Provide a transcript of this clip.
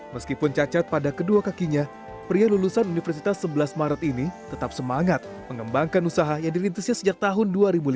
meskipun cacat pada kedua kakinya pria lulusan universitas sebelas maret ini tetap semangat mengembangkan usaha yang dirintisnya sejak tahun dua ribu lima belas